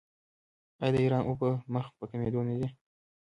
آیا د ایران اوبه مخ په کمیدو نه دي؟